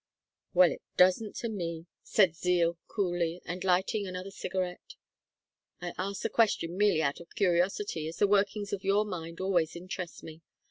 "Well, it doesn't to me," said Zeal, coolly, and lighting another cigarette. "I asked the question merely out of curiosity, as the workings of your mind always interest me.